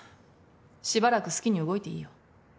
しばらく好きに動いていいよ。